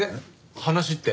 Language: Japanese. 話って？